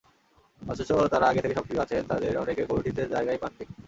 অথচ যাঁরা আগে থেকে সক্রিয় আছেন, তাঁদের অনেকে কমিটিতে জায়গাই পাননি।